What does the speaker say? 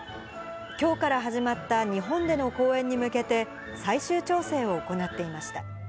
きょうから始まった日本での公演に向けて、最終調整を行っていました。